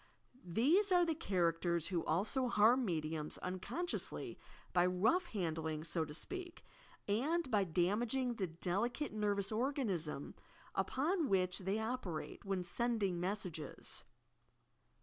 " These are the characters who also harm mediums un consciously by rough handling, so to speak; and by dam aging the delicate nervous organism upon which they operate, when sending messages.